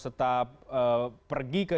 tetap pergi ke